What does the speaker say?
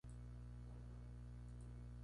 La sede del condado es Hayward.